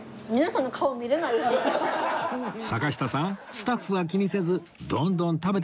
坂下さんスタッフは気にせずどんどん食べてください